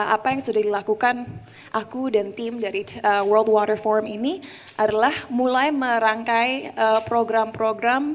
apa yang sudah dilakukan aku dan tim dari world one reform ini adalah mulai merangkai program program